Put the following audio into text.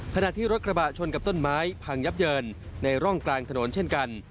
ขณะที่รถกระบะชนกับต้นไม้พังยับเยินในร่องกลางถนนเช่นกัน